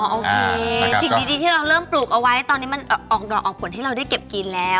โอเคสิ่งดีที่เราเริ่มปลูกเอาไว้ตอนนี้มันออกดอกออกผลให้เราได้เก็บกินแล้ว